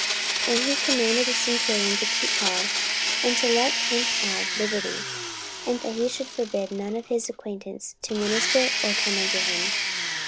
44:024:023 And he commanded a centurion to keep Paul, and to let him have liberty, and that he should forbid none of his acquaintance to minister or come unto him.